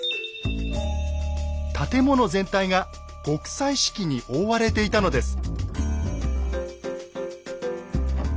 建物全体が極彩色に覆われていたのです。